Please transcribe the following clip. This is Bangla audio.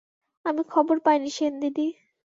আমি খবর পাইনি সেনদিদি।